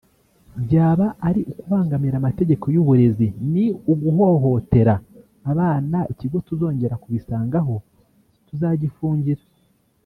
byaba ari ukubangamira amategeko y’uburezi ni uguhohotera abana ikigo tuzongera kubisangaho tuzagifungira”